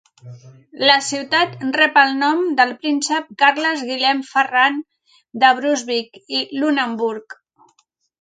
La ciutat rep el nom del príncep Carles-Guillem Ferran de Brunsvic i Lunenburg.